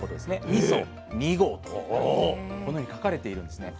みそ二合とこのように書かれているんですね。